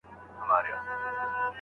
ایا هغوی له ستونزو سره مبارزه کوي؟